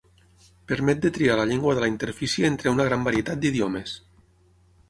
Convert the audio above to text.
Permet de triar la llengua de la interfície entre una gran varietat d'idiomes.